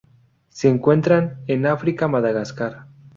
Se encuentran en África: Madagascar.